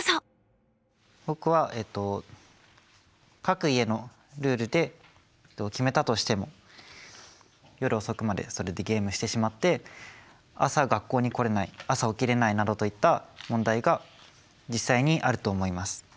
僕は各家のルールで決めたとしても夜遅くまでそれでゲームしてしまって朝学校に来れない朝起きれないなどといった問題が実際にあると思います。